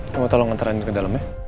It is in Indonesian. kamu tolong nganterin ke dalam ya